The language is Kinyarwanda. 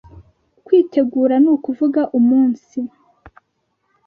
kwitegura ni ukuvuga umunsi